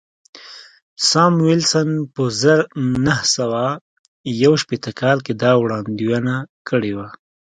ساموېلسن په زر نه سوه یو شپېته کال کې دا وړاندوینه کړې وه